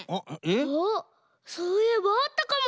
あっそういえばあったかも。